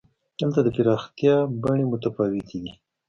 دلته د پراختیا بڼې متفاوتې دي.